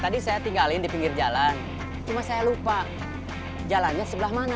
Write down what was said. tadi saya tinggalin di pinggir jalan cuma saya lupa jalannya sebelah mana